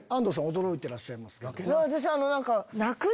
驚いてらっしゃいますが。